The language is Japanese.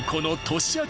年明け